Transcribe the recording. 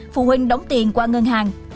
phụ huynh đóng tiền qua ngân hàng